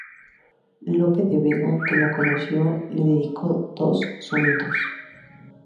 Lope de Vega, que la conoció, le dedicó dos sonetos.